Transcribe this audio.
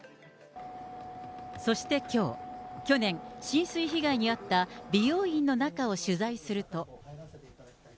そしてきょう、去年、浸水被害に遭った美容院の中を取材すると。